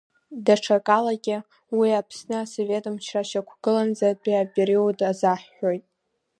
Даҽакалагьы уи Аԥсны Асовет мчра шьақәгылаанӡатәи апериод азаҳҳәоит.